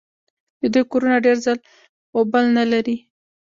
د دوی کورونه ډېر ځل و بل نه لري.